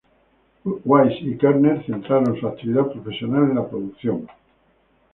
Wise y Kerner centraron su actividad profesional en la producción.